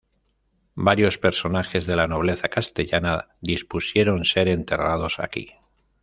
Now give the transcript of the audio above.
Varios personajes de la nobleza castellana dispusieron ser enterrados aquí.